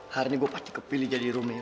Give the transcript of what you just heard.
harinya gue pasti kepilih jadi romeo